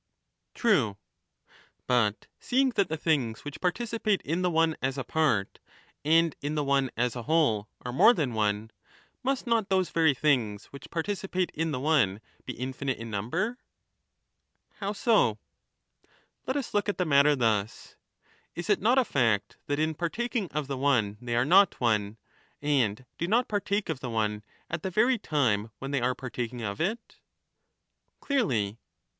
True. But, seeing that the things which participate in the one as a part, and in the one as a whole, are more than one, must not those very things which participate in the one be infinite in number? How so? Let us look at the matter thus: — Is it not a fact that in partaking of the one they are not one, and do not par take of the one at the very time when they are partaking of it? Digitized by VjOOQIC Contradictory aspects of the others. 93 Clearly.